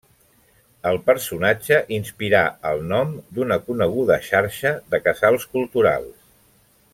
El personatge inspirà el nom d'una coneguda xarxa de Casals Culturals.